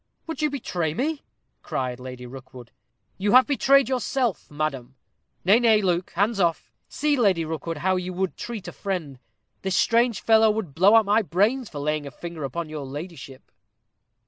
"Would you betray me?" cried Lady Rookwood. "You have betrayed yourself, madam. Nay, nay, Luke, hands off. See, Lady Rookwood, how you would treat a friend. This strange fellow would blow out my brains for laying a finger upon your ladyship."